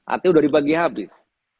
artinya udah dibagi habis